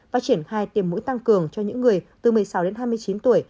và triển khai tiêm mũi tăng cường cho những người từ một mươi sáu đến hai mươi chín tuổi